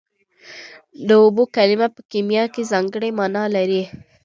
د اوبو کلمه په کیمیا کې ځانګړې مانا لري